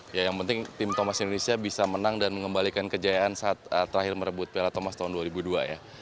ya yang penting tim thomas indonesia bisa menang dan mengembalikan kejayaan saat terakhir merebut piala thomas tahun dua ribu dua ya